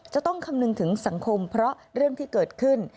จะต้องคำนึงถึงสังคมเพราะเรื่องที่เกิดขึ้น